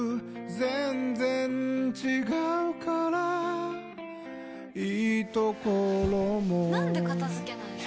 全然違うからいいところもなんで片付けないの？